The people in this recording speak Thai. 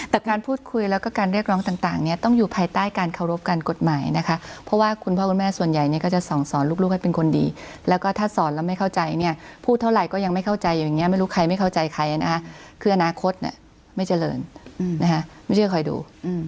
แต่การพูดคุยแล้วก็การเรียกร้องต่างเนี่ยต้องอยู่ภายใต้การเคารพการกฎหมายนะคะเพราะว่าคุณพ่อคุณแม่ส่วนใหญ่เนี่ยก็จะส่องสอนลูกให้เป็นคนดีแล้วก็ถ้าสอนแล้วไม่เข้าใจเนี่ยพูดเท่าไหร่ก็ยังไม่เข้าใจอย่างนี้ไม่รู้ใครไม่เข้าใจใครนะคะคืออนาคตไม่เจริญนะคะไม่เชื่อคอยดู